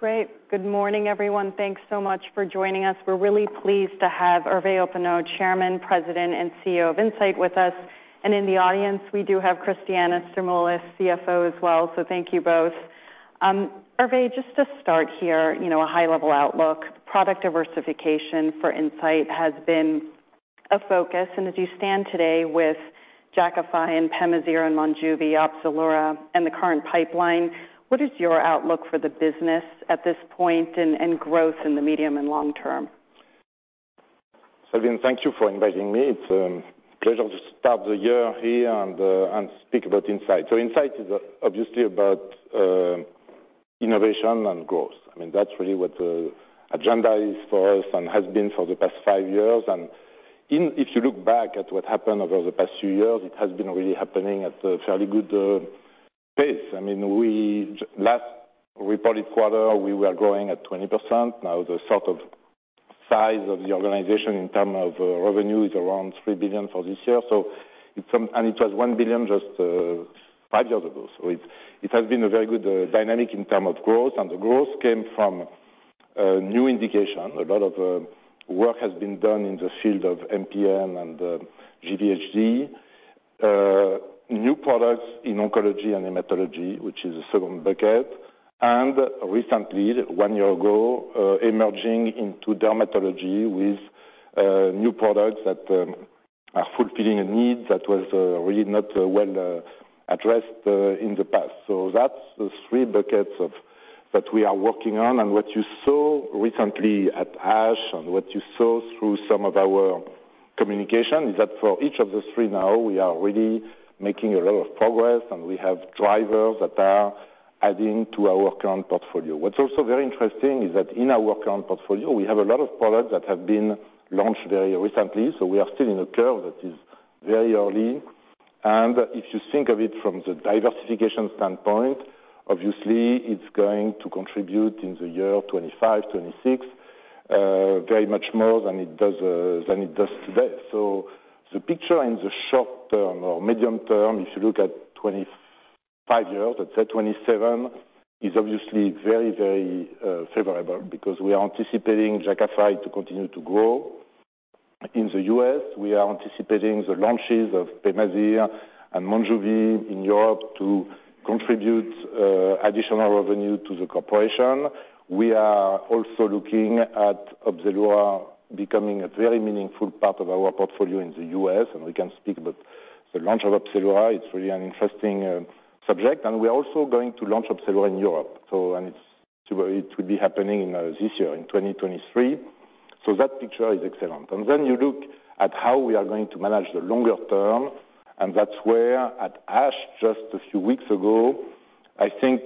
Great. Good morning, everyone. Thanks so much for joining us. We're really pleased to have Hervé Hoppenot, Chairman, President and CEO of Incyte with us. In the audience, we do have Christiana Stamoulis, CFO as well. Thank you both. Hervé, just to start here, you know, a high-level outlook, product diversification for Incyte has been a focus. As you stand today with Jakafi and Pemazyre and Monjuvi, Opzelura and the current pipeline, what is your outlook for the business at this point and growth in the medium and long term? Again, thank you for inviting me. It's a pleasure to start the year here and speak about Incyte. Incyte is obviously about innovation and growth. I mean, that's really what the agenda is for us and has been for the past five years. Even if you look back at what happened over the past few years, it has been really happening at a fairly good pace. I mean, last reported quarter, we were growing at 20%. Now the sort of size of the organization in term of revenue is around $3 billion for this year. It's from- and it was $1 billion just five years ago. It has been a very good dynamic in term of growth. The growth came from new indication. A lot of work has been done in the field of MPN and GVHD, new products in oncology and hematology, which is a second bucket. Recently, one year ago, emerging into dermatology with new products that are fulfilling a need that was really not well addressed in the past. That's the three buckets that we are working on. What you saw recently at ASH and what you saw through some of our communication is that for each of the three now, we are really making a lot of progress, and we have drivers that are adding to our current portfolio. What's also very interesting is that in our current portfolio, we have a lot of products that have been launched very recently, so we are still in a curve that is very early. If you think of it from the diversification standpoint, obviously it's going to contribute in the year 2025, 2026, very much more than it does than it does today. The picture in the short term or medium term, if you look at 25 years, let's say 27, is obviously very, very favorable because we are anticipating Jakafi to continue to grow. In the U.S., we are anticipating the launches of Pemazyre and Monjuvi in Europe to contribute additional revenue to the corporation. We are also looking at Opzelura becoming a very meaningful part of our portfolio in the U.S., and we can speak about the launch of Opzelura. It's really an interesting subject, we're also going to launch Opzelura in Europe. It will be happening this year in 2023. That picture is excellent. You look at how we are going to manage the longer term, and that's where at ASH, just a few weeks ago, I think,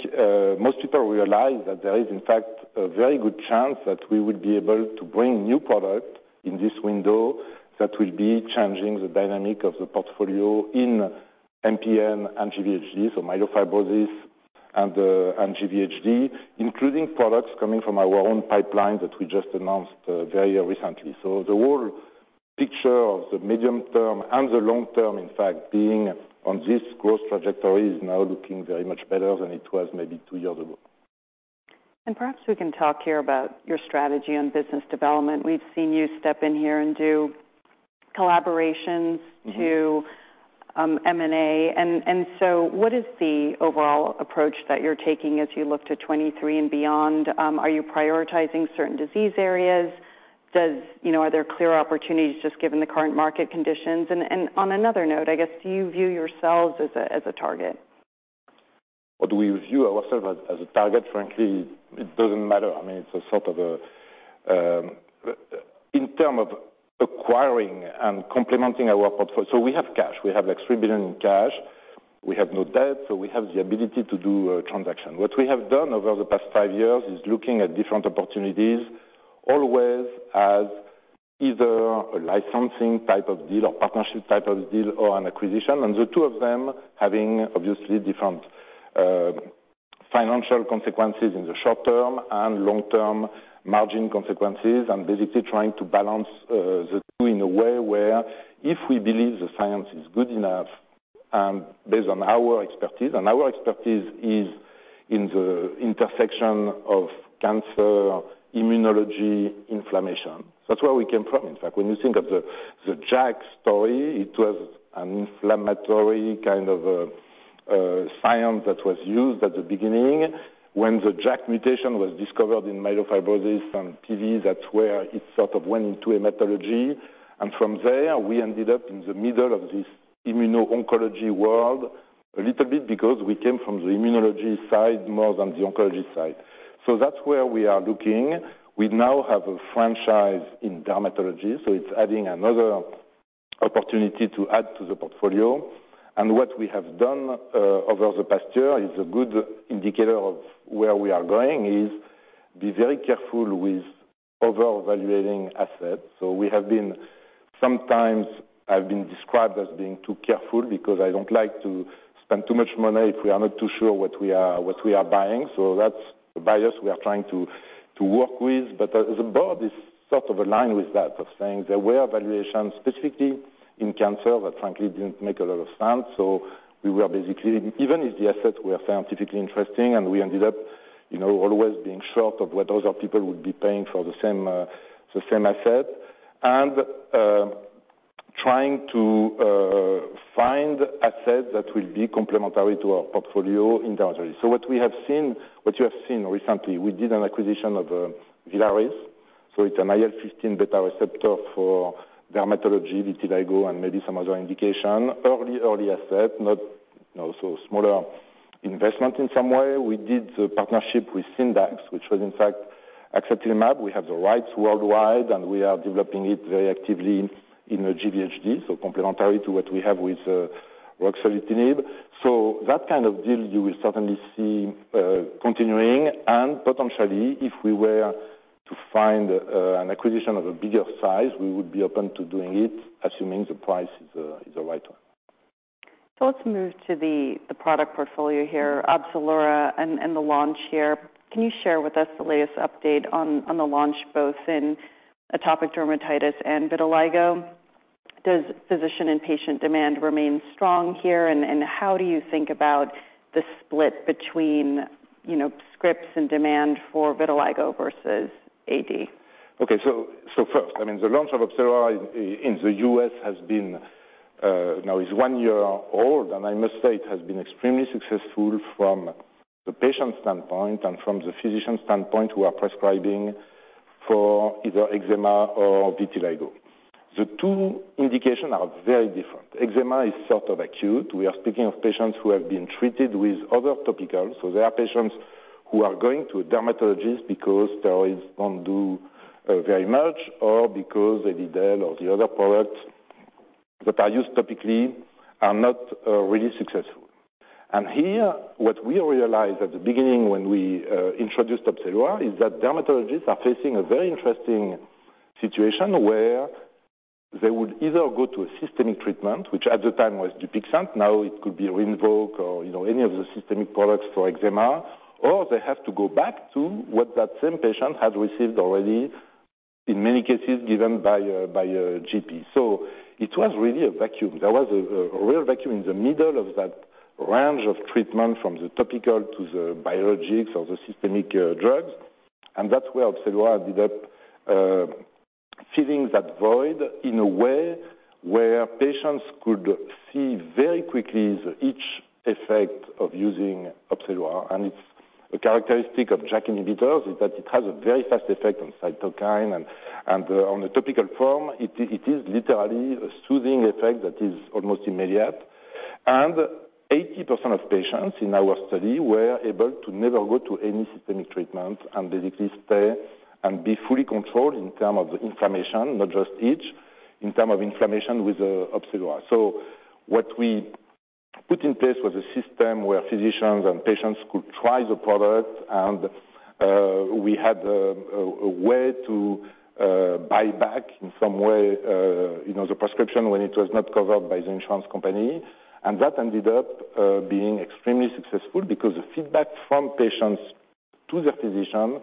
most people realize that there is in fact a very good chance that we would be able to bring new product in this window that will be changing the dynamic of the portfolio in MPN and GVHD, so myelofibrosis and GVHD, including products coming from our own pipeline that we just announced very recently. The whole picture of the medium term and the long term, in fact, being on this growth trajectory is now looking very much better than it was maybe two years ago. Perhaps we can talk here about your strategy on business development. We've seen you step in here and do collaborations to M&A. What is the overall approach that you're taking as you look to 2023 and beyond? Are you prioritizing certain disease areas? You know, are there clear opportunities just given the current market conditions? On another note, I guess, do you view yourselves as a target? What we view ourselves as a target, frankly, it doesn't matter. I mean, it's a sort of a, in terms of acquiring and complementing our so we have cash. We have like $3 billion in cash. We have no debt, so we have the ability to do a transaction. What we have done over the past five years is looking at different opportunities, always as either a licensing type of deal or partnership type of deal or an acquisition. The two of them having, obviously, different financial consequences in the short term and long-term margin consequences, and basically trying to balance the two in a way where if we believe the science is good enough and based on our expertise, and our expertise is in the intersection of cancer, immunology, inflammation. That's where we came from, in fact. When you think of the JAK story, it was an inflammatory kind of, science that was used at the beginning when the JAK mutation was discovered in myelofibrosis and PV, that's where it sort of went into hematology. From there, we ended up in the middle of this immuno-oncology world a little bit because we came from the immunology side more than the oncology side. That's where we are looking. We now have a franchise in dermatology, so it's adding another opportunity to add to the portfolio. What we have done, over the past year is a good indicator of where we are going, is be very careful with over-evaluating assets. We have been sometimes I've been described as being too careful because I don't like to spend too much money if we are not too sure what we are buying. That's a bias we are trying to work with. The board is sort of aligned with that, of saying there were evaluations specifically in cancer that frankly didn't make a lot of sense. We were basically, even if the assets were scientifically interesting and we ended up, you know, always being short of what other people would be paying for the same asset. Trying to find assets that will be complementary to our portfolio in dermatology. What we have seen, what you have seen recently, we did an acquisition of Villaris. It's an IL-15 beta receptor for dermatology, vitiligo, and maybe some other indication. Early asset, not, you know, smaller investment in some way. We did partnership with Syndax, which was in fact axitinib. We have the rights worldwide, we are developing it very actively in the GVHD, so complementary to what we have with ruxolitinib. That kind of deal you will certainly see continuing, potentially, if we were to find an acquisition of a bigger size, we would be open to doing it, assuming the price is the right one. Let's move to the product portfolio here, Opzelura and the launch here. Can you share with us the latest update on the launch, both in atopic dermatitis and vitiligo? Does physician and patient demand remain strong here? How do you think about the split between, you know, scripts and demand for vitiligo versus AD? First, I mean, the launch of Opzelura in the U.S. has been, now is one year old. I must say it has been extremely successful from the patient standpoint and from the physician standpoint who are prescribing for either eczema or vitiligo. The two indications are very different. Eczema is sort of acute. We are speaking of patients who have been treated with other topicals. They are patients who are going to a dermatologist because steroids don't do very much or because Elidel or the other products that are used topically are not really successful. Here, what we realized at the beginning when we introduced Opzelura is that dermatologists are facing a very interesting situation where they would either go to a systemic treatment, which at the time was Dupixent. It could be Rinvoq or, you know, any of the systemic products for eczema. They have to go back to what that same patient had received already, in many cases, given by a, by a GP. It was really a vacuum. There was a real vacuum in the middle of that range of treatment from the topical to the biologics or the systemic drugs. That's where Opzelura ended up filling that void in a way where patients could see very quickly the itch effect of using Opzelura. It is a characteristic of JAK inhibitors is that it has a very fast effect on cytokine and on the topical form, it is literally a soothing effect that is almost immediate. 80% of patients in our study were able to never go to any systemic treatment and basically stay and be fully controlled in term of inflammation, not just itch, in term of inflammation with Opzelura. What we put in place was a system where physicians and patients could try the product, and we had a way to buy back in some way, you know, the prescription when it was not covered by the insurance company. That ended up being extremely successful because the feedback from patients to their physician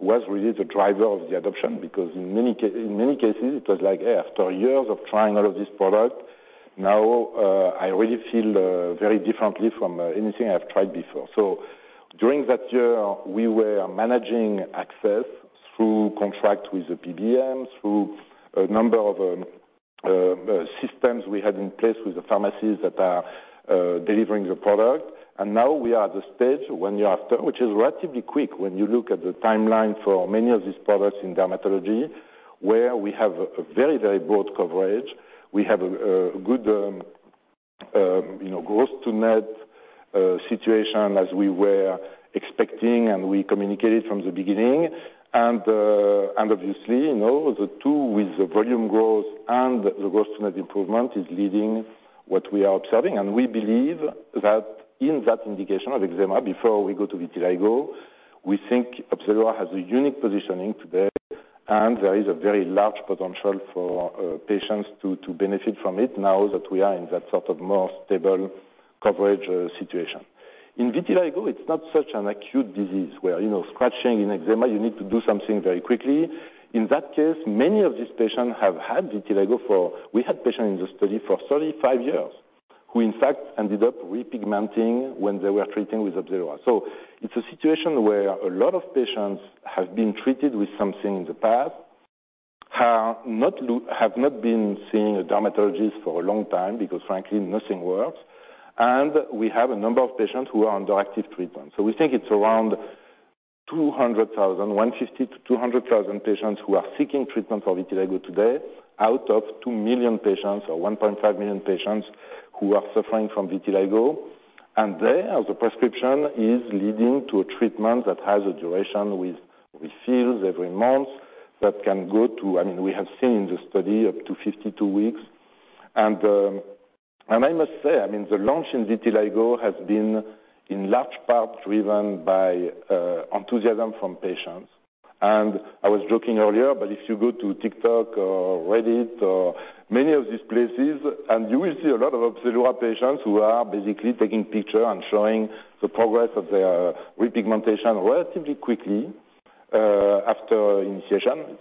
was really the driver of the adoption. Because in many cases, it was like, "After years of trying all of these products, now, I really feel very differently from anything I've tried before." During that year, we were managing access through contract with the PBM, through a number of systems we had in place with the pharmacies that are delivering the product. Now we are at the stage one year after, which is relatively quick when you look at the timeline for many of these products in dermatology, where we have a very, very broad coverage. We have a good, you know, gross to net situation as we were expecting and we communicated from the beginning. Obviously, you know, the two with the volume growth and the gross to net improvement is leading what we are observing. We believe that in that indication of eczema, before we go to vitiligo, we think Opzelura has a unique positioning today, and there is a very large potential for patients to benefit from it now that we are in that sort of more stable coverage situation. In vitiligo, it's not such an acute disease where, you know, scratching in eczema, you need to do something very quickly. In that case, many of these patients have had vitiligo for. We had patients in the study for 35 years, who in fact ended up repigmenting when they were treating with Opzelura. It's a situation where a lot of patients have been treated with something in the past, have not been seeing a dermatologist for a long time because frankly nothing works. We have a number of patients who are under active treatment. We think it's around 200,000, 150,000-200,000 patients who are seeking treatment for vitiligo today out of 2 million patients or 1.5 million patients who are suffering from vitiligo. There, the prescription is leading to a treatment that has a duration with refills every month that can go to, I mean, we have seen in the study up to 52 weeks. I must say, I mean, the launch in vitiligo has been in large part driven by enthusiasm from patients. I was joking earlier, but if you go to TikTok or Reddit or many of these places, you will see a lot of Opzelura patients who are basically taking picture and showing the progress of their repigmentation relatively quickly after initiation.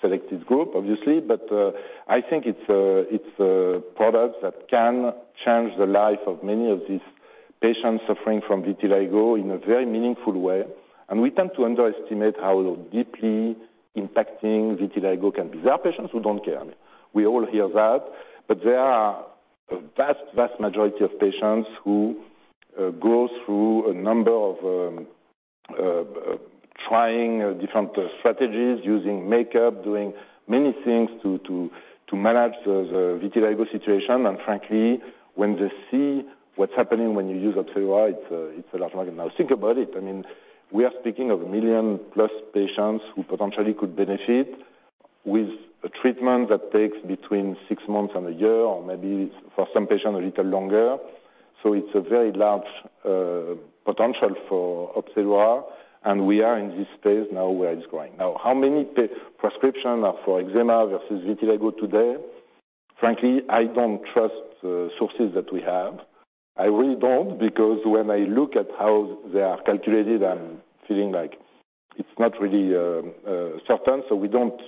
Selected group, obviously. I think it's a product that can change the life of many of these patients suffering from vitiligo in a very meaningful way. We tend to underestimate how deeply impacting vitiligo can be. There are patients who don't care. We all hear that. There are a vast majority of patients who go through a number of trying different strategies, using makeup, doing many things to manage the vitiligo situation. Frankly, when they see what's happening when you use Opzelura, it's a large market. Think about it. I mean, we are speaking of 1 million+ patients who potentially could benefit with a treatment that takes between 6 months and 1 year, or maybe for some patients, a little longer. It's a very large potential for Opzelura, and we are in this space now where it's growing. How many prescription are for eczema versus vitiligo today? I don't trust the sources that we have. I really don't, because when I look at how they are calculated, I'm feeling like it's not really certain. We don't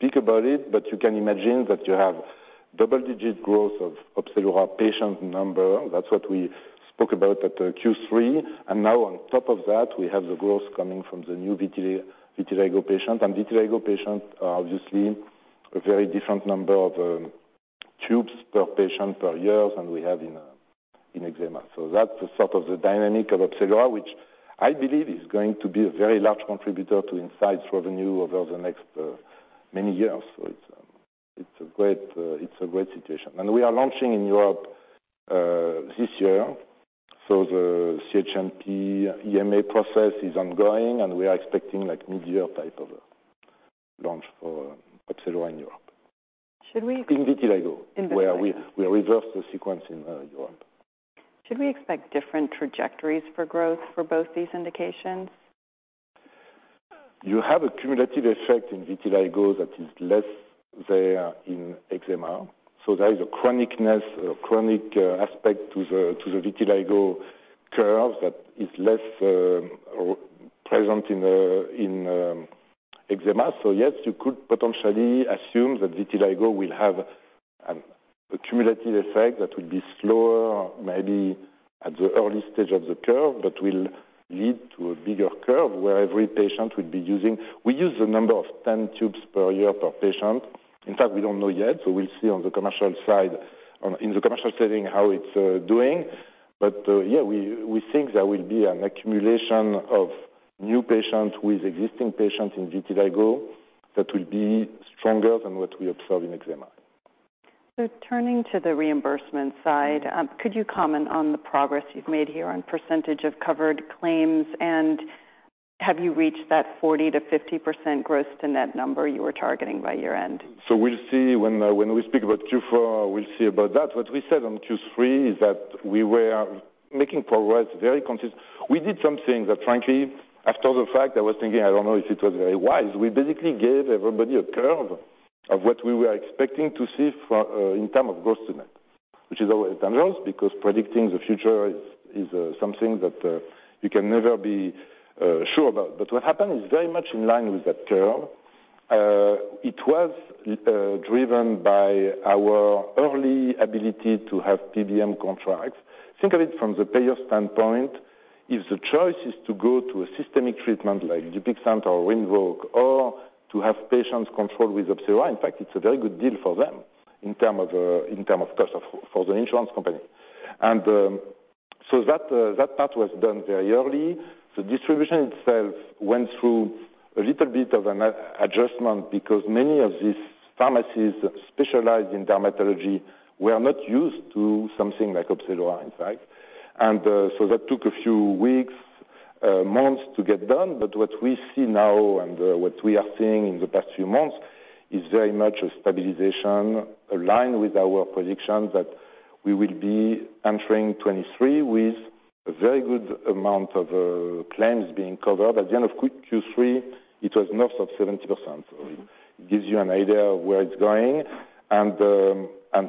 speak about it, but you can imagine that you have double-digit growth of Opzelura patient number. That's what we spoke about at the Q3. On top of that, we have the growth coming from the new vitiligo patients. Vitiligo patients are obviously a very different number of tubes per patient per year than we have in eczema. That's the sort of the dynamic of Opzelura, which I believe is going to be a very large contributor to Incyte revenue over the next many years. It's a great, it's a great situation. We are launching in Europe this year. The CHMP EMA process is ongoing, and we are expecting like midyear type of launch for Opzelura in Europe. Should we- In vitiligo. In vitiligo. Where we reverse the sequence in Europe. Should we expect different trajectories for growth for both these indications? You have a cumulative effect in vitiligo that is less there in eczema, so there is a chronic-ness, a chronic, aspect to the vitiligo curve that is less present in eczema. Yes, you could potentially assume that vitiligo will have a cumulative effect that will be slower, maybe at the early stage of the curve, but will lead to a bigger curve, where every patient will be using... We use the number of 10 tubes per year per patient. In fact, we don't know yet, so we'll see on the commercial side, in the commercial setting, how it's doing. Yeah, we think there will be an accumulation of new patients with existing patients in vitiligo that will be stronger than what we observe in eczema. Turning to the reimbursement side, could you comment on the progress you've made here on percentage of covered claims? Have you reached that 40%-50% gross to net number you were targeting by year-end? We'll see. When we speak about Q4, we'll see about that. What we said on Q3 is that we were making progress. We did something that frankly, after the fact, I was thinking, I don't know if it was very wise. We basically gave everybody a curve of what we were expecting to see for in term of gross to net, which is always dangerous, because predicting the future is something that you can never be sure about. What happened is very much in line with that curve. It was driven by our early ability to have PBM contracts. Think of it from the payer standpoint. If the choice is to go to a systemic treatment like Dupixent or Rinvoq, or to have patients controlled with Opzelura, in fact, it's a very good deal for them in term of cost for the insurance company. That part was done very early. The distribution itself went through a little bit of an adjustment because many of these pharmacies specialized in dermatology were not used to something like Opzelura, in fact. That took a few weeks, months to get done. What we see now and what we are seeing in the past few months is very much a stabilization aligned with our prediction that we will be entering 2023 with a very good amount of claims being covered. At the end of Q3, it was north of 70%. It gives you an idea of where it's going.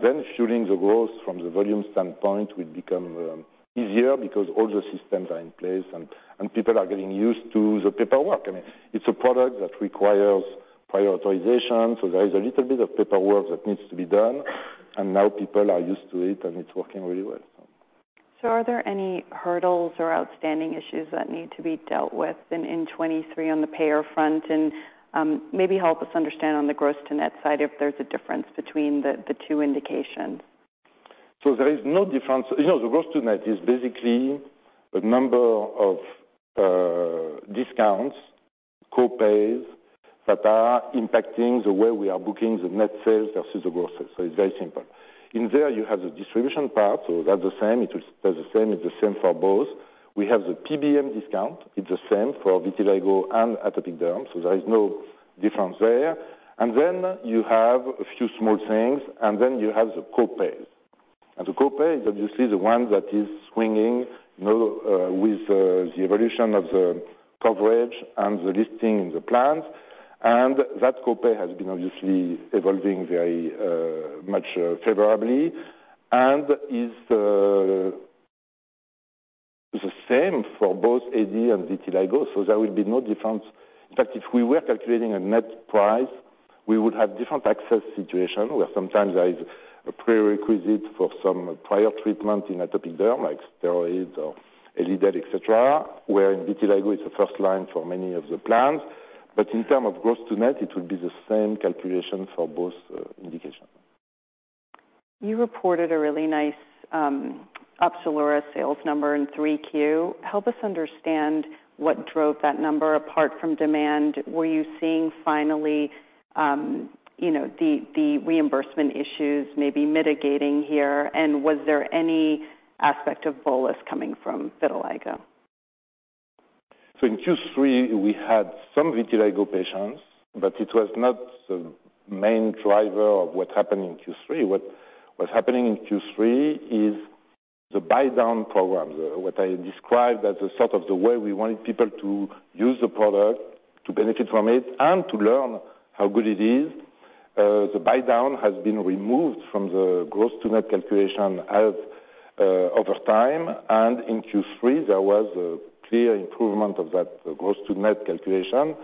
Then shooting the growth from the volume standpoint will become easier because all the systems are in place and people are getting used to the paperwork. I mean, it's a product that requires prior authorization. There is a little bit of paperwork that needs to be done. Now people are used to it, and it's working really well. Are there any hurdles or outstanding issues that need to be dealt with in 2023 on the payer front? Maybe help us understand on the gross to net side if there's a difference between the two indications? There is no difference. You know, the gross to net is basically a number of discounts, copays that are impacting the way we are booking the net sales versus the gross sales. It's very simple. In there, you have the distribution part, so that's the same. It was the same. It's the same for both. We have the PBM discount. It's the same for vitiligo and atopic derm, so there is no difference there. Then you have a few small things, then you have the copays. The copay that you see is the one that is swinging, you know, with the evolution of the coverage and the listing in the plans. That copay has been obviously evolving very much favorably and Same for both AD and vitiligo. There will be no difference. In fact, if we were calculating a net price, we would have different access situation, where sometimes there is a prerequisite for some prior treatment in atopic derm, like steroids or Elidel, et cetera, where in vitiligo, it's the first line for many of the plans. In term of gross to net, it will be the same calculation for both indication. You reported a really nice, Opzelura sales number in 3Q. Help us understand what drove that number apart from demand. Were you seeing finally, you know, the reimbursement issues maybe mitigating here? Was there any aspect of bolus coming from vitiligo? In Q3, we had some vitiligo patients, but it was not the main driver of what happened in Q3. What's happening in Q3 is the buy-down program, what I described as the sort of the way we wanted people to use the product to benefit from it and to learn how good it is. The buy-down has been removed from the gross to net calculation as over time. In Q3, there was a clear improvement of that gross to net calculation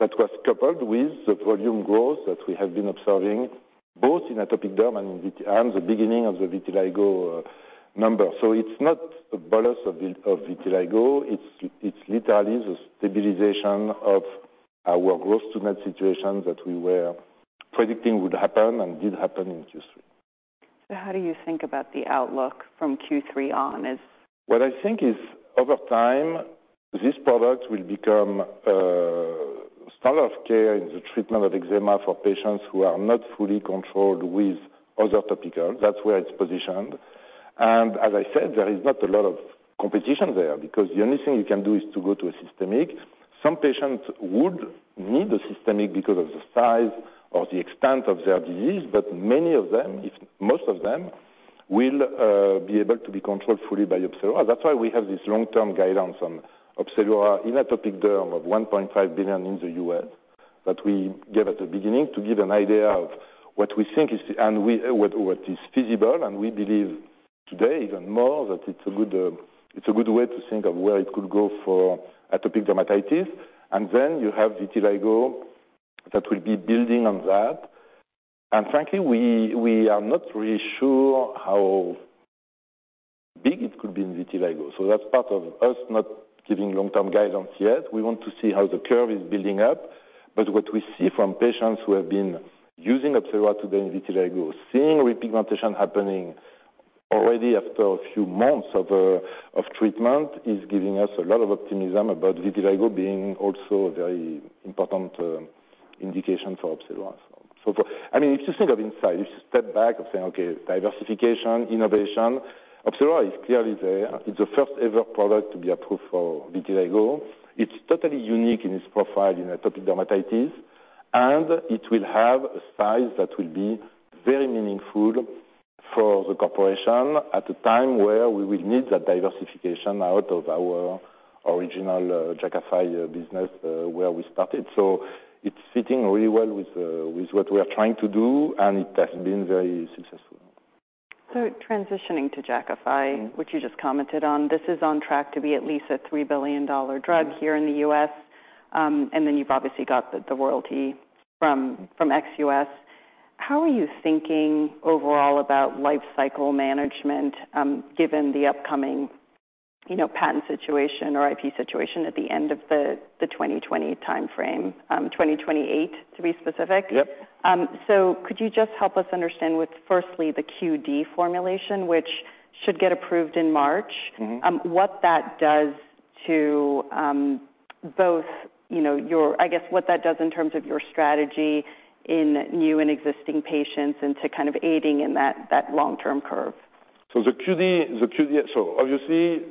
that was coupled with the volume growth that we have been observing both in atopic derm and the beginning of the vitiligo number. It's not a bolus of vitiligo. It's literally the stabilization of our gross to net situation that we were predicting would happen and did happen in Q3. how do you think about the outlook from Q3 on? What I think is over time, this product will become standard of care in the treatment of eczema for patients who are not fully controlled with other topicals. That's where it's positioned. As I said, there is not a lot of competition there because the only thing you can do is to go to a systemic. Some patients would need a systemic because of the size or the extent of their disease, but many of them, if most of them, will be able to be controlled fully by Opzelura. That's why we have this long-term guidance on Opzelura in atopic derm of $1.5 billion in the U.S. that we gave at the beginning to give an idea of what we think is what is feasible. We believe today even more that it's a good, it's a good way to think of where it could go for atopic dermatitis. Then you have vitiligo that will be building on that. Frankly, we are not really sure how big it could be in vitiligo. That's part of us not giving long-term guidance yet. We want to see how the curve is building up. What we see from patients who have been using Opzelura today in vitiligo, seeing repigmentation happening already after a few months of treatment is giving us a lot of optimism about vitiligo being also a very important indication for Opzelura. I mean, if you think of Incyte, if you step back of saying, okay, diversification, innovation, Opzelura is clearly there. It's the first ever product to be approved for vitiligo. It's totally unique in its profile in atopic dermatitis. It will have a size that will be very meaningful for the corporation at a time where we will need that diversification out of our original, Jakafi business, where we started. It's fitting really well with what we are trying to do, and it has been very successful. Transitioning to Jakafi, which you just commented on, this is on track to be at least a $3 billion drug here in the U.S. Then you've obviously got the royalty from ex-U.S. How are you thinking overall about life cycle management, given the upcoming, you know, patent situation or IP situation at the end of the 2020 timeframe, 2028, to be specific? Yep. Could you just help us understand with firstly the QD formulation, which should get approved in March. Mm-hmm. what that does to, both, you know, I guess what that does in terms of your strategy in new and existing patients and to kind of aiding in that long-term curve. The QD, obviously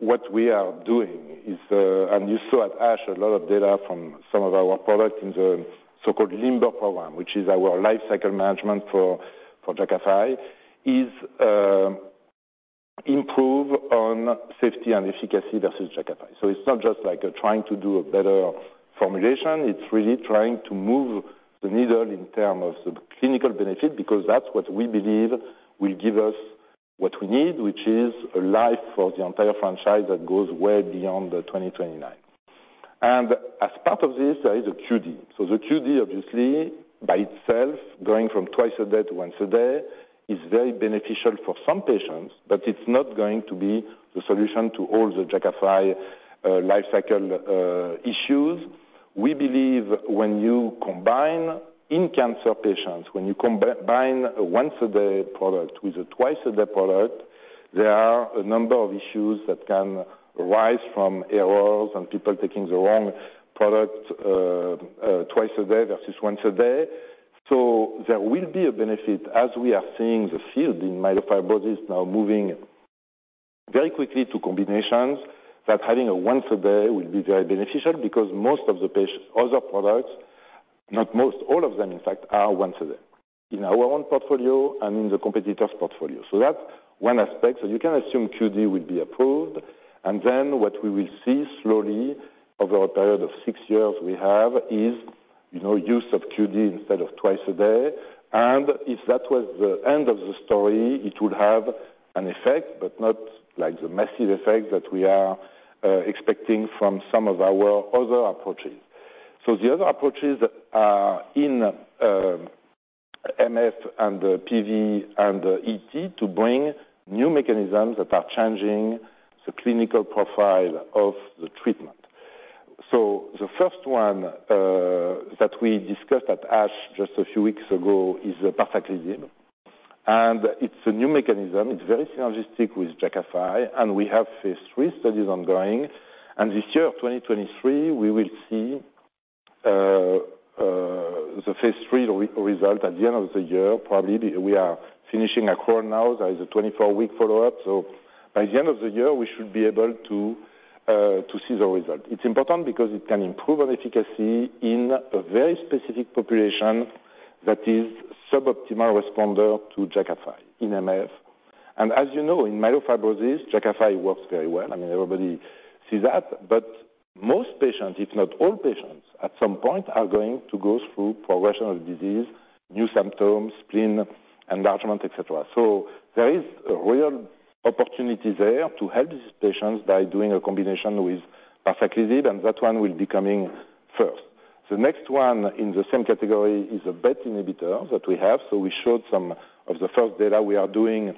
what we are doing is, and you saw at ASH a lot of data from some of our products in the so-called LIMBER program, which is our life cycle management for Jakafi, is, improve on safety and efficacy versus Jakafi. It's not just like trying to do a better formulation. It's really trying to move the needle in term of the clinical benefit because that's what we believe will give us what we need, which is a life for the entire franchise that goes way beyond 2029. As part of this, there is a QD. The QD, obviously, by itself, going from twice a day to once a day, is very beneficial for some patients, but it's not going to be the solution to all the Jakafi life cycle issues. We believe when you combine in cancer patients, when you combine a once a day product with a twice a day product, there are a number of issues that can arise from errors and people taking the wrong product, twice a day versus once a day. There will be a benefit as we are seeing the field in myelofibrosis now moving very quickly to combinations, that having a once a day will be very beneficial because most of the other products, not most, all of them, in fact, are once a day. In our own portfolio and in the competitor's portfolio. That's one aspect. You can assume QD will be approved. What we will see slowly over a period of six years we have is, you know, use of QD instead of twice a day. If that was the end of the story, it would have an effect, but not like the massive effect that we are expecting from some of our other approaches. The other approaches are in MF and PV and ET to bring new mechanisms that are changing the clinical profile of the treatment. The first one that we discussed at ASH just a few weeks ago is parsaclisib, and it's a new mechanism. It's very synergistic with Jakafi, and we have phase III studies ongoing. This year, 2023, we will see the phase III result at the end of the year, probably. We are finishing a core now. There is a 24-week follow-up. By the end of the year, we should be able to see the result. It's important because it can improve on efficacy in a very specific population that is suboptimal responder to Jakafi in MF. As you know, in myelofibrosis, Jakafi works very well. I mean, everybody sees that. Most patients, if not all patients, at some point are going to go through progression of disease, new symptoms, spleen enlargement, et cetera. There is a real opportunity there to help these patients by doing a combination with parsaclisib. That one will be coming first. The next one in the same category is a BET inhibitor that we have. We showed some of the first data. We are doing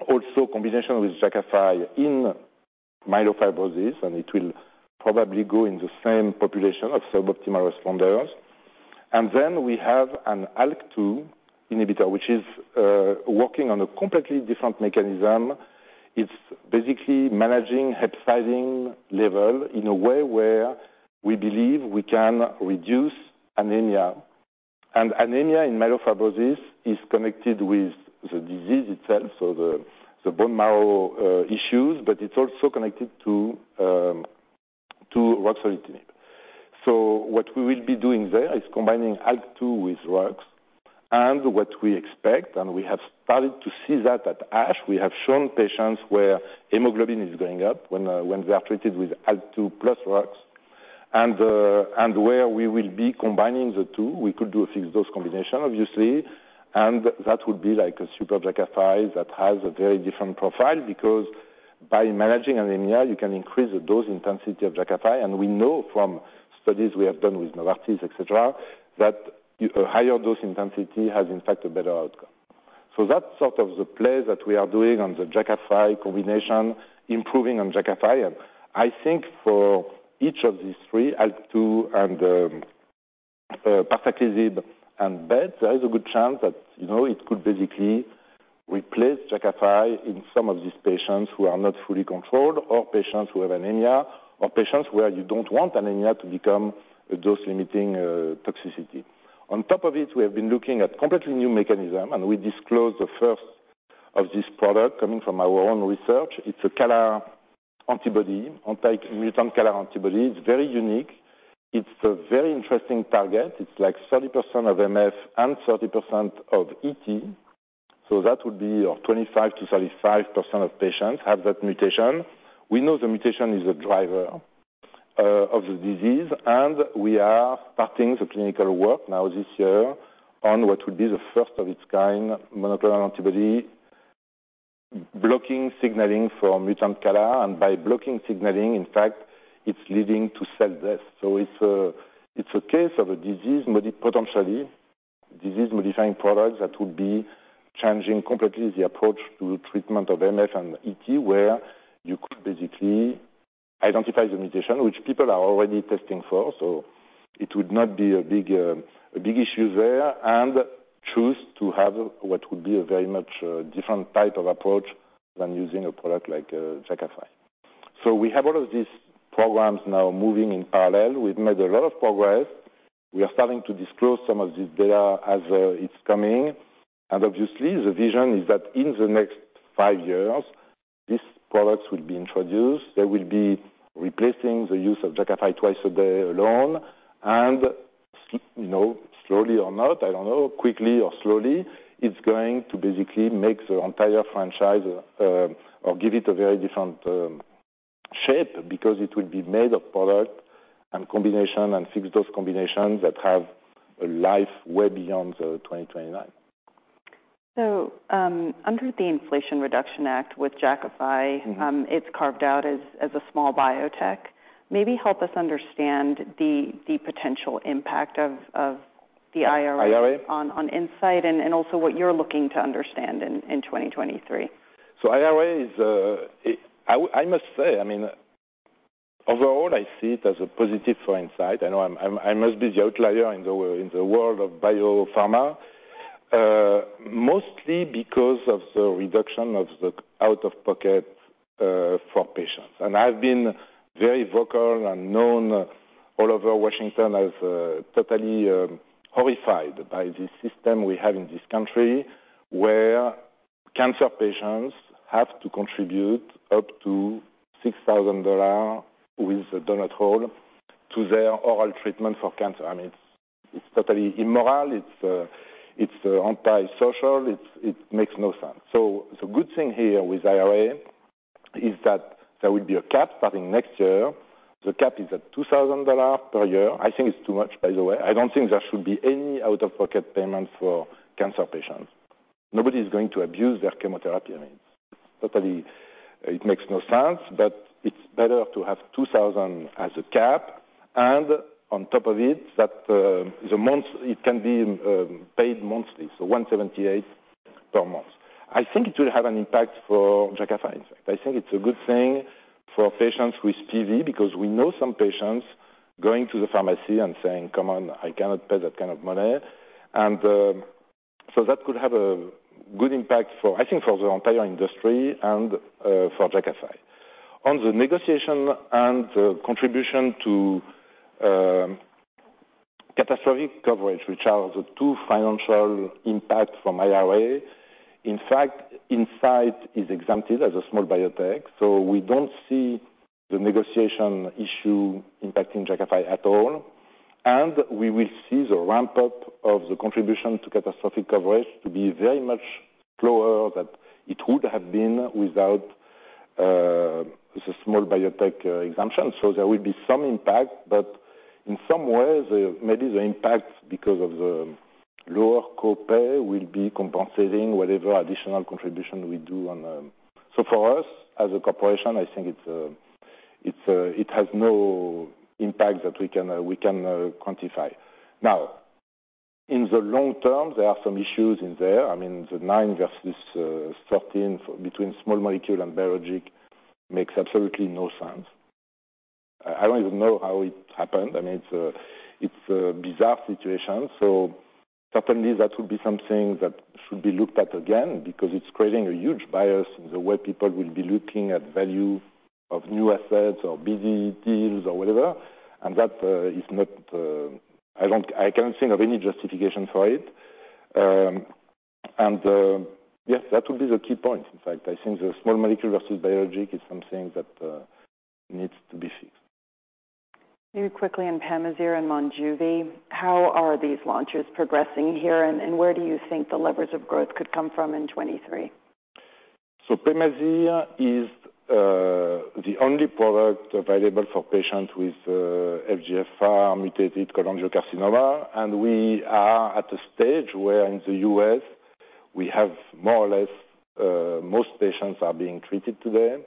also combination with Jakafi in myelofibrosis. It will probably go in the same population of suboptimal responders. Then we have an ALK2 inhibitor, which is working on a completely different mechanism. It's basically managing hepcidin level in a way where we believe we can reduce anemia. Anemia in myelofibrosis is connected with the disease itself, so the bone marrow issues, but it's also connected to ruxolitinib. What we will be doing there is combining ALK2 with rux and what we expect, and we have started to see that at ASH. We have shown patients where hemoglobin is going up when they are treated with ALK2 plus rux and where we will be combining the two. We could do a fixed-dose combination, obviously, and that would be like a super Jakafi that has a very different profile because by managing anemia, you can increase the dose intensity of Jakafi. We know from studies we have done with Novartis, et cetera, that a higher dose intensity has in fact a better outcome. That's sort of the play that we are doing on the Jakafi combination, improving on Jakafi. I think for each of these three, ALK2 and parsaclisib and BET, there is a good chance that, you know, it could basically replace Jakafi in some of these patients who are not fully controlled or patients who have anemia or patients where you don't want anemia to become a dose-limiting toxicity. On top of it, we have been looking at completely new mechanism, and we disclosed the first of this product coming from our own research. It's a CALR antibody, anti-mutant CALR antibody. It's very unique. It's a very interesting target. It's like 30% of MF and 30% of ET. That would be 25%-35% of patients have that mutation. We know the mutation is a driver of the disease. We are starting the clinical work now this year on what will be the first of its kind monoclonal antibody blocking signaling for mutant CALR. By blocking signaling, in fact, it's leading to cell death. It's a case of a potentially disease-modifying product that would be changing completely the approach to treatment of MF and ET, where you could basically identify the mutation, which people are already testing for. It would not be a big issue there. Choose to have what would be a very much different type of approach than using a product like Jakafi. We have all of these programs now moving in parallel. We've made a lot of progress. We are starting to disclose some of this data as it's coming. Obviously, the vision is that in the next five years, these products will be introduced. They will be replacing the use of Jakafi twice a day alone. You know, slowly or not, I don't know, quickly or slowly, it's going to basically make the entire franchise or give it a very different shape because it will be made of product and combination and fixed-dose combinations that have a life way beyond the 2029. under the Inflation Reduction Act with Jakafi- Mm-hmm. It's carved out as a small biotech. Maybe help us understand the potential impact of the IRA? IRA. On Incyte and also what you're looking to understand in 2023. IRA is, I must say, I mean, overall I see it as a positive for Incyte. I know I must be the outlier in the world of biopharma, mostly because of the reduction of the out-of-pocket for patients. I've been very vocal and known all over Washington as totally horrified by the system we have in this country, where cancer patients have to contribute up to $6,000 with a donut hole to their oral treatment for cancer. I mean, it's totally immoral. It's antisocial. It makes no sense. The good thing here with IRA is that there will be a cap starting next year. The cap is at $2,000 per year. I think it's too much, by the way. I don't think there should be any out-of-pocket payments for cancer patients. Nobody's going to abuse their chemotherapy. I mean, totally it makes no sense, but it's better to have $2,000 as a cap and on top of it, that the months it can be paid monthly, so $178 per month. I think it will have an impact for Jakafi. In fact, I think it's a good thing for patients with PV because we know some patients going to the pharmacy and saying, "Come on, I cannot pay that kind of money." That could have a good impact for, I think for the entire industry and for Jakafi. On the negotiation and the contribution to catastrophic coverage, which are the two financial impact from IRA. In fact, Incyte is exempted as a small biotech, so we don't see the negotiation issue impacting Jakafi at all. We will see the ramp-up of the contribution to catastrophic coverage to be very much slower that it would have been without the Small Biotech Exception. There will be some impact, but in some ways maybe the impact because of the lower co-pay will be compensating whatever additional contribution we do on. For us, as a corporation, I think it's it's it has no impact that we can we can quantify. In the long term, there are some issues in there. I mean, the nine versus 13 between small molecule and biologic makes absolutely no sense. I don't even know how it happened. I mean, it's a bizarre situation. Certainly that would be something that should be looked at again because it's creating a huge bias in the way people will be looking at value of new assets or busy deals or whatever. That is not, I don't, I can't think of any justification for it. Yes, that would be the key point. In fact, I think the small molecule versus biologic is something that needs to be fixed. Very quickly on Pemazyre and Monjuvi, how are these launches progressing here and where do you think the levers of growth could come from in 2023? Pemazyre is the only product available for patients with FGFR mutated cholangiocarcinoma. We are at a stage where in the US we have more or less, most patients are being treated today.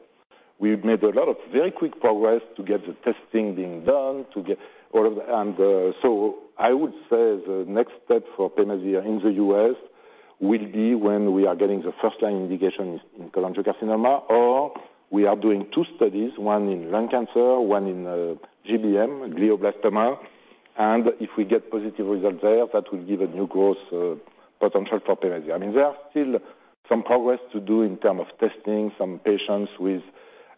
We've made a lot of very quick progress to get the testing being done, to get all of the. I would say the next step for Pemazyre in the US will be when we are getting the first line indication in cholangiocarcinoma, or we are doing two studies, one in lung cancer, one in GBM, glioblastoma. If we get positive results there, that will give a new growth potential for Pemazyre. I mean, there are still some progress to do in term of testing some patients with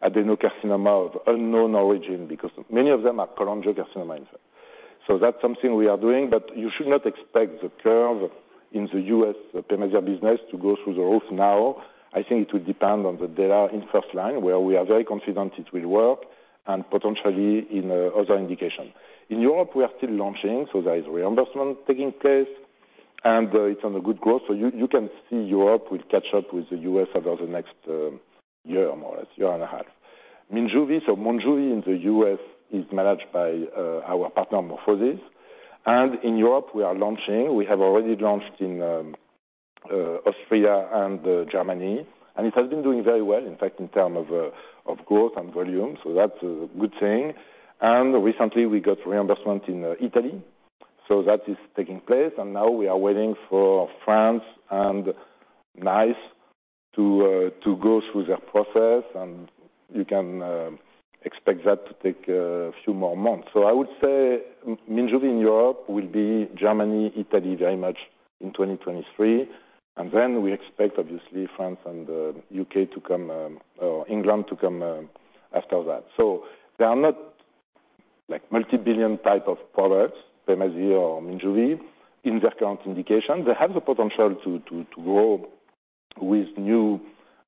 adenocarcinoma of unknown origin, because many of them are cholangiocarcinoma. That's something we are doing, but you should not expect the curve of, in the U.S., the Pemazyre business to go through the roof now. I think it will depend on the data in first line, where we are very confident it will work and potentially in other indication. In Europe, we are still launching, so there is reimbursement taking place, and it's on a good growth. You can see Europe will catch up with the U.S. over the next year more or less, year and a half. Monjuvi. Monjuvi in the U.S. is managed by our partner, MorphoSys. In Europe, we are launching. We have already launched in Austria and Germany, and it has been doing very well, in fact, in term of growth and volume. That's a good thing. Recently we got reimbursement in Italy, so that is taking place. Now we are waiting for France and NICE to go through their process. You can expect that to take a few more months. I would say Monjuvi in Europe will be Germany, Italy very much in 2023. We expect obviously France and UK to come or England to come after that. They are not like multi-billion type of products, Pemazyre or Monjuvi in their current indication. They have the potential to grow with new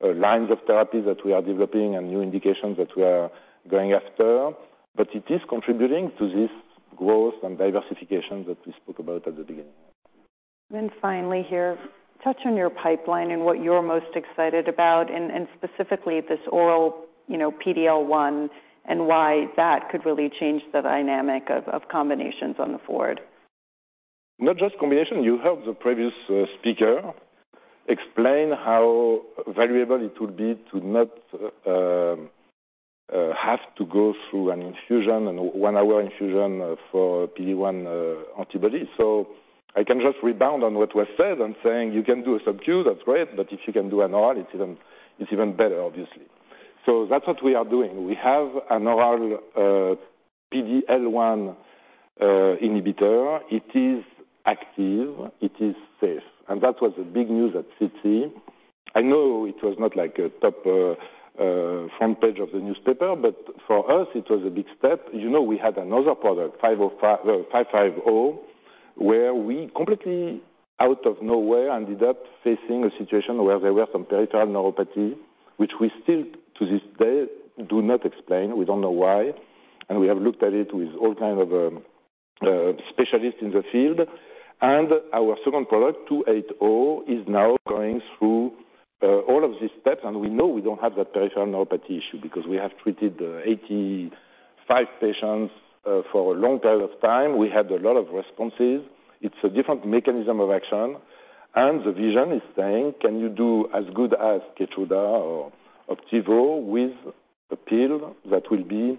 lines of therapy that we are developing and new indications that we are going after. It is contributing to this growth and diversification that we spoke about at the beginning. Finally here, touch on your pipeline and what you're most excited about and specifically this oral, you know, PDL1 and why that could really change the dynamic of combinations on the forward. Not just combination. You heard the previous speaker explain how valuable it would be to not have to go through an infusion, an one-hour infusion, for PD-1 antibody. I can just rebound on what was said and saying you can do a sub-q, that's great, but if you can do an oral, it's even better, obviously. That's what we are doing. We have an oral PDL1 inhibitor. It is active, it is safe. That was the big news at SITC. I know it was not like a top front page of the newspaper, but for us it was a big step. You know, we had another product, 550, where we completely out of nowhere ended up facing a situation where there were some peripheral neuropathy, which we still to this day do not explain. We don't know why, we have looked at it with all kind of specialists in the field. Our second product, 280, is now going through all of these steps, and we know we don't have that peripheral neuropathy issue because we have treated 85 patients for a long period of time. We had a lot of responses. It's a different mechanism of action. The vision is saying, can you do as good as Keytruda or Opdivo with a pill that will be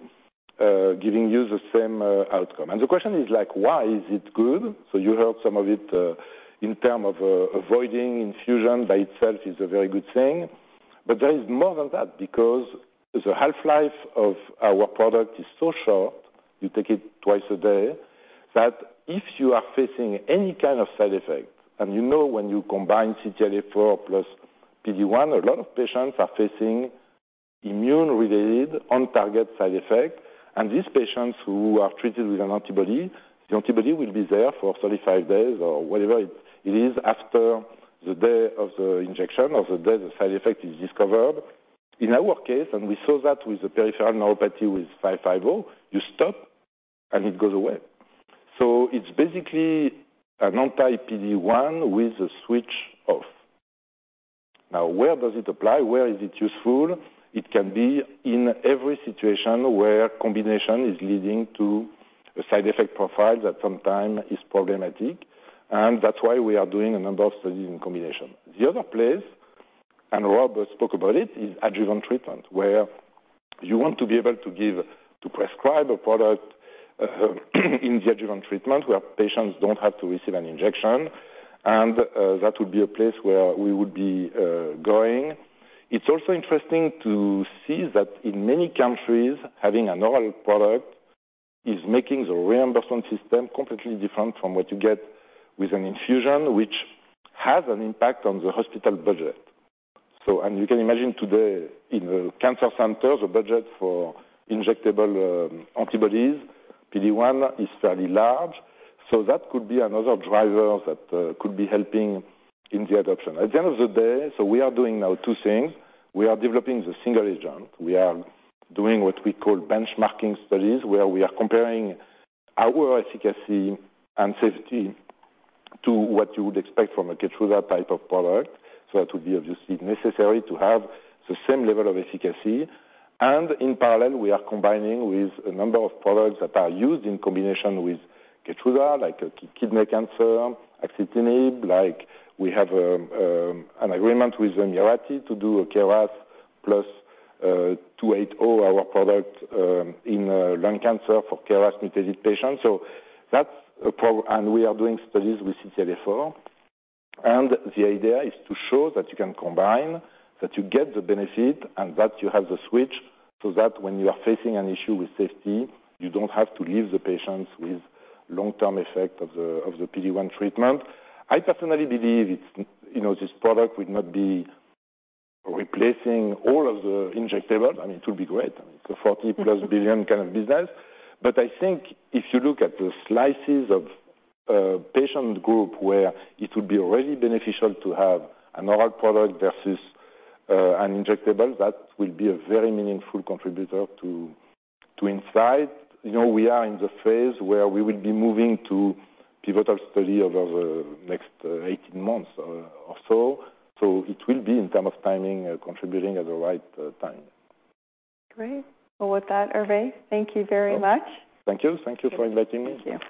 giving you the same outcome? The question is like, why is it good? You heard some of it, in term of avoiding infusion by itself is a very good thing. There is more than that because the half-life of our product is so short, you take it twice a day, that if you are facing any kind of side effect, and you know, when you combine CTLA-4 plus PD-1, a lot of patients are facing immune-related on-target side effect. These patients who are treated with an antibody, the antibody will be there for 35 days or whatever it is after the day of the injection or the day the side effect is discovered. In our case, and we saw that with the peripheral neuropathy with INCB50465, you stop and it goes away. It's basically an anti-PD-1 with a switch off. Now, where does it apply? Where is it useful? It can be in every situation where combination is leading to a side effect profile that sometimes is problematic, and that's why we are doing a number of studies in combination. The other place, and Rob spoke about it, is adjuvant treatment, where you want to be able to prescribe a product in the adjuvant treatment, where patients don't have to receive an injection. That would be a place where we would be going. It's also interesting to see that in many countries, having an oral product is making the reimbursement system completely different from what you get with an infusion, which has an impact on the hospital budget. You can imagine today in the cancer centers, the budget for injectable antibodies, PD-1 is fairly large. That could be another driver that could be helping in the adoption. At the end of the day, we are doing now two things. We are developing the single agent. We are doing what we call benchmarking studies, where we are comparing our efficacy and safety to what you would expect from a Keytruda type of product. That would be obviously necessary to have the same level of efficacy. In parallel, we are combining with a number of products that are used in combination with Keytruda, like a kidney cancer, axitinib, like we have an agreement with Mirati to do a KRAS plus 280, our product, in lung cancer for KRAS mutated patients. We are doing studies with CTLA-4. The idea is to show that you can combine, that you get the benefit, and that you have the switch, so that when you are facing an issue with safety, you don't have to leave the patients with long-term effect of the PD-1 treatment. I personally believe it's, you know, this product would not be replacing all of the injectable. I mean, it will be great. It's a $40+ billion kind of business. I think if you look at the slices of a patient group where it would be really beneficial to have an oral product versus an injectable, that will be a very meaningful contributor to Incyte. You know, we are in the phase where we will be moving to pivotal study over the next 18 months or so. It will be in terms of timing, contributing at the right time. Great. Well, with that, Hervé, thank you very much. Thank you. Thank you for inviting me. Thank you.